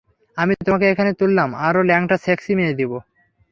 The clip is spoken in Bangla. আমি তোমাকে এখানে তুলনায়, আরও ল্যাংটা সেক্সি মেয়ে দিবো।